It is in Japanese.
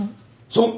そう。